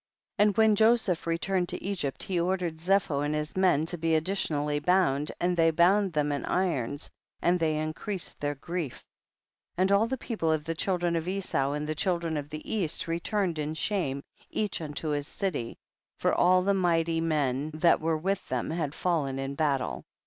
24. And when Joseph returned to Egypt he ordered Zepho and his men to be additionally bound, and they bound them in irons and they increas ed their grief. 25. And all the people of the chil dren of Esau, and the children of the east, returned in shame each unto his city, for all the mighty men that were with them had fallen in battle.